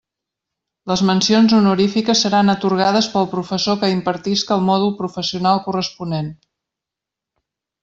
Les mencions honorífiques seran atorgades pel professor que impartisca el mòdul professional corresponent.